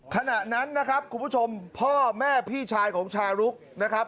ขณะนั้นนะครับคุณผู้ชมพ่อแม่พี่ชายของชาลุกนะครับ